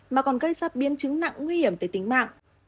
mà còn gây ra biến chứng nặng nguy hiểm tới tính mạng